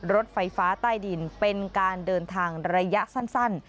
รถไฟฟ้าใต้ดินเป็นการเดินทางระยะสั้น